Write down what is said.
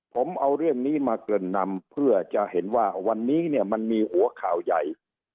ผมเอาเรื่องนี้มาเกริ่นนำเพื่อจะเห็นว่าวันนี้เนี่ยมันมีหัวข่าวใหญ่